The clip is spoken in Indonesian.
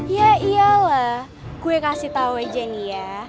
ya iyalah gue kasih tau aja nih ya